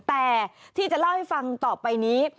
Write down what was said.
แต่ที่จะเล่าให้ฟังต่อไปนี้